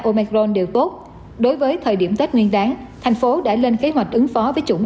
omercron đều tốt đối với thời điểm tết nguyên đáng thành phố đã lên kế hoạch ứng phó với chủng